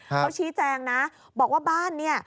เขาชี้แจงนะบอกว่าบ้านเนี่ย